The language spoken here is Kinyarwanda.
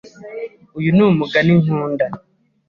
Uyu ni umugani nkunda.